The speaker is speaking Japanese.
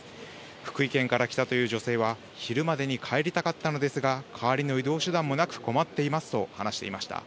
福井県から来たという女性は、昼までに帰りたかったのですが、代わりの移動手段もなく困っていますと話していました。